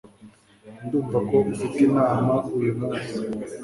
ndumva ko ufite inama uyumunsi